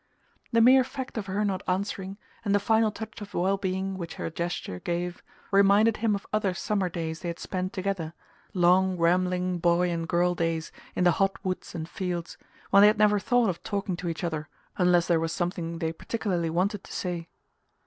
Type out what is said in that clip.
The mere fact of her not answering, and the final touch of well being which her gesture gave, reminded him of other summer days they had spent together long rambling boy and girl days in the hot woods and fields, when they had never thought of talking to each other unless there was something they particularly wanted to say.